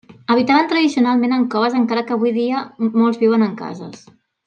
Habitaven tradicionalment en coves encara que avui dia molts viuen en cases.